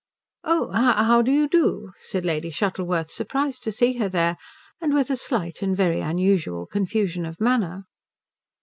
"Oh how do you do," said Lady Shuttleworth, surprised to see her there, and with a slight and very unusual confusion of manner.